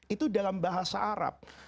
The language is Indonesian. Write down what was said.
itu dalam bahasa arab